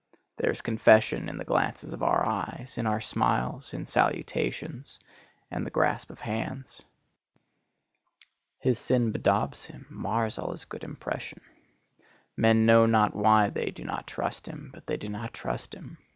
There is confession in the glances of our eyes, in our smiles, in salutations, and the grasp of hands. His sin bedaubs him, mars all his good impression. Men know not why they do not trust him, but they do not trust him.